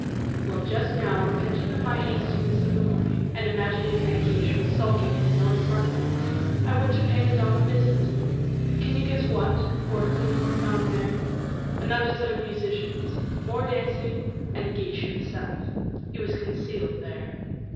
"Well, just now, repenting of my hastiness of the morning, and imagining that Guiche was sulking in his own apartments, I went to pay Madame a visit. Can you guess what, or whom, I found there? Another set of musicians; more dancing, and Guiche himself he was concealed there."